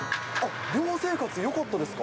寮生活、よかったですか？